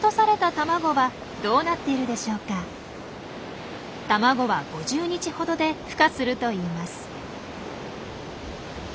卵は５０日ほどでふ化するといいます。